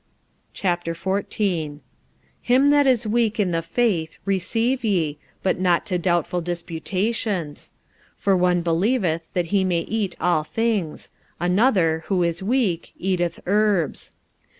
45:014:001 Him that is weak in the faith receive ye, but not to doubtful disputations. 45:014:002 For one believeth that he may eat all things: another, who is weak, eateth herbs.